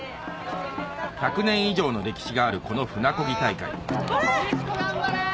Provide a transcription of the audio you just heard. １００年以上の歴史があるこの舟こぎ大会頑張れ！